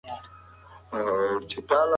کمپيوټر مخ پېژني.